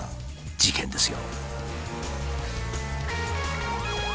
事件ですよ。